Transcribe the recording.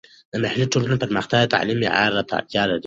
د محلي ټولنو پرمختیا د تعلیم معیار ته اړتیا لري.